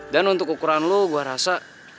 dan untuk ukuran lo gue rasa